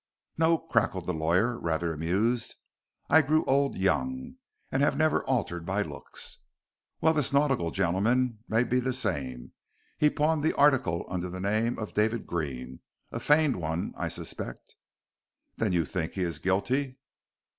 "No," cackled the lawyer, rather amused. "I grew old young, and have never altered my looks." "Well, this nautical gentleman may be the same. He pawned the article under the name of David Green a feigned one, I suspect." "Then you think he is guilty?"